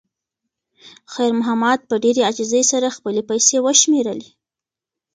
خیر محمد په ډېرې عاجزۍ سره خپلې پیسې وشمېرلې.